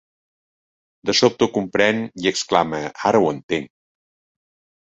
De sobte ho comprèn i exclama: ara ho entenc!